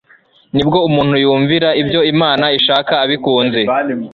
Nibwo umuntu yumvira ibyo Imana ishaka abikunze;